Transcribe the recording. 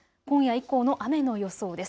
今夜以降の雨の予想です。